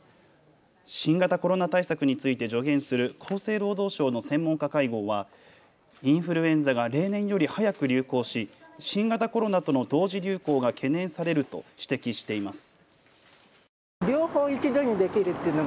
新型コロナ対策について助言する厚生労働省の専門家会合はインフルエンザが例年より早く流行し新型コロナとの同時流行が懸念されると指摘しています。